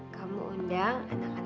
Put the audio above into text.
kamu undang anak anak yatim piatu ya